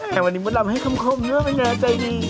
แค่วันนี้มันลำให้ค่ำเนื้อใจดี